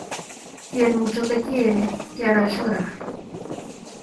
Quien mucho te quiere, te hará llorar